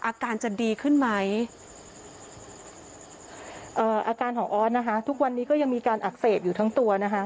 อาการจะดีขึ้นไหมเอ่ออาการของออสนะคะทุกวันนี้ก็ยังมีการอักเสบอยู่ทั้งตัวนะคะ